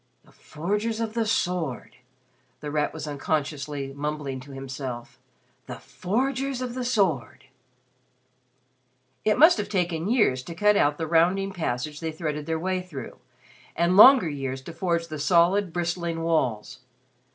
"The Forgers of the Sword!" The Rat was unconsciously mumbling to himself, "The Forgers of the Sword!" It must have taken years to cut out the rounding passage they threaded their way through, and longer years to forge the solid, bristling walls.